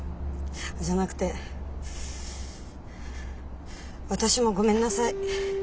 じゃなくて私もごめんなさい。